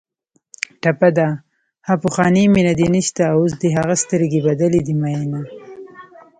ټپه ده: ها پخوانۍ مینه دې نشته اوس دې هغه سترګې بدلې دي مینه